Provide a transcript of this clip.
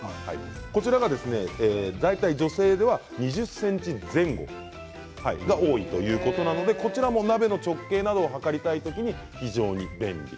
こちらが、大体女性では２０ｃｍ前後が多いということなので、こちらも鍋の直径などを測りたい時に非常に便利。